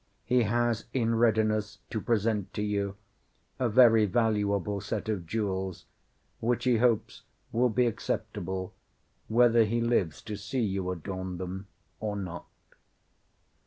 He has in readiness to present to you a very valuable set of jewels, which he hopes will be acceptable, whether he lives to see you adorn them or not.